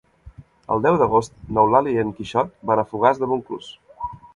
El deu d'agost n'Eulàlia i en Quixot van a Fogars de Montclús.